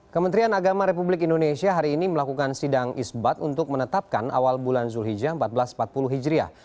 kementerian agama republik indonesia hari ini melakukan sidang isbat untuk menetapkan awal bulan zulhijjah seribu empat ratus empat puluh hijriah